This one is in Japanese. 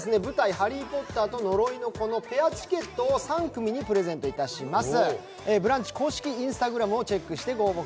「ハリー・ポッターと呪いの子」のペアチケットを３組にプレゼントいたします。